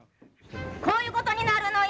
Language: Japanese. こういうことになるのよ！